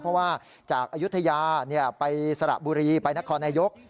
เพราะว่าจากอายุทยาไปสระบุรีไปนครนายก